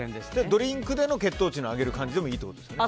ドリンクで血糖値を上げる感じでもいいんですね。